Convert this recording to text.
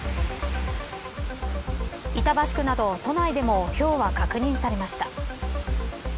板橋区など都内でもひょうは確認されました。